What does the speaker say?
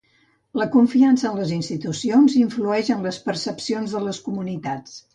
"La confiança en les institucions influeix en les percepcions de les comunitats".